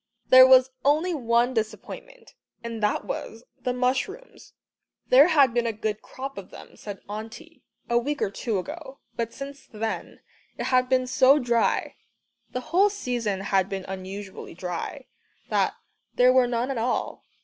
There was only one disappointment and that was the mushrooms! There had been a good crop of them, said Auntie, a week or two ago, but since then it had been so dry the whole season had been unusually dry that there were none at all.